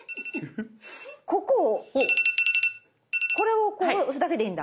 ここをこれをこう押すだけでいいんだ。